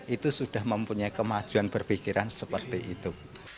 itu sudah mempunyai kemajuan berpikiran seperti itu